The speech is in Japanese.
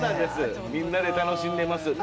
みんなで楽しんでます。